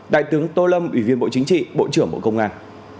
đại tướng tô lâm ủy viên bộ chính trị bộ trưởng bộ công an